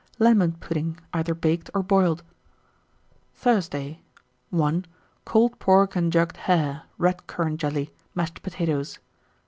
Lemon pudding, either baked or boiled. 1906. Thursday. 1. Cold pork and jugged hare, red currant jelly, mashed potatoes.